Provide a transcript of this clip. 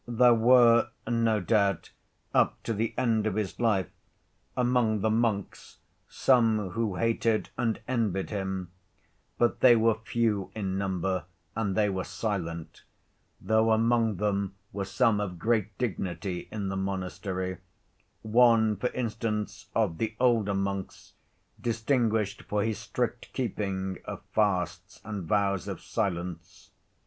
There were, no doubt, up to the end of his life, among the monks some who hated and envied him, but they were few in number and they were silent, though among them were some of great dignity in the monastery, one, for instance, of the older monks distinguished for his strict keeping of fasts and vows of silence.